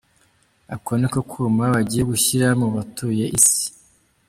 Ako niko kuma bagiye gushyira mu batuye isi.